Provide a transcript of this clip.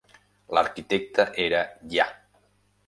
L'arquitecte era Ya.